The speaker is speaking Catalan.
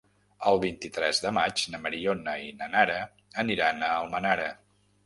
El vint-i-tres de maig na Mariona i na Nara aniran a Almenara.